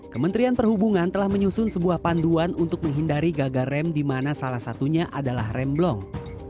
kementerian perhubungan telah menyusun sebuah panduan untuk menghindari gagal rem di mana salah satunya adalah rem blong